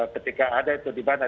ketika ada itu di mana